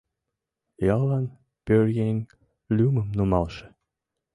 Яллан пӧръеҥ лӱмым нумалше